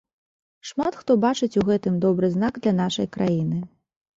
Шмат хто бачыць у гэтым добры знак для нашай краіны.